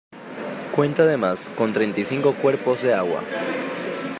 Cuenta además, con treinta y cinco cuerpos de agua.